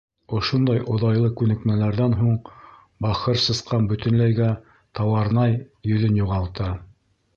Ошондай оҙайлы күнекмәләрҙән һуң бахыр сысҡан бөтөнләйгә «тауарнай» йөҙөн юғалта.